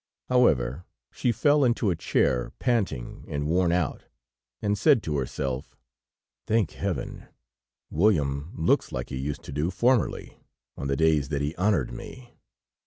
However, she fell into a chair, panting and worn out, and said to herself: "Thank Heaven! William looks like he used to do formerly on the days that he honored me.